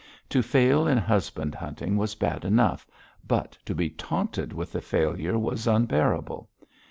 To fail in husband hunting was bad enough, but to be taunted with the failure was unbearable.